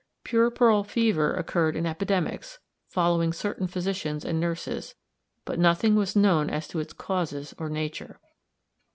Puerperal fever occurred in epidemics, following certain physicians and nurses, but nothing was known as to its causes or nature.